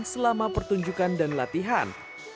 selama pertunjukan dan latihan